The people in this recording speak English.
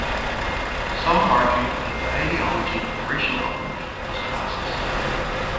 Some argued that the ideology of racial uplift was classist.